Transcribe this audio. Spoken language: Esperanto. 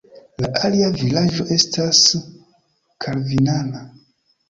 La alia vilaĝo estas kalvinana.